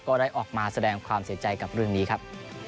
ก็ได้ออกมาแสดงความเสียใจกับเรื่องนี้ครับ